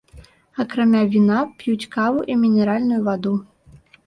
Акрамя віна п'юць каву і мінеральную ваду.